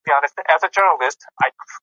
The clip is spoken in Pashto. هغې د کورنۍ ملاتړ د لیکلو لپاره مهم وبللو.